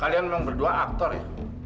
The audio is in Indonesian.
kalian memang berdua aktor ya